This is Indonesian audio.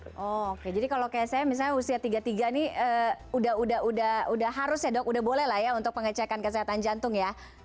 oke jadi kalau kayak saya misalnya usia tiga puluh tiga nih udah harus ya dok udah boleh lah ya untuk pengecekan kesehatan jantung ya